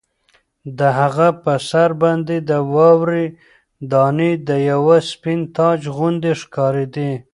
د هغه په سر باندې د واورې دانې د یوه سپین تاج غوندې ښکارېدې.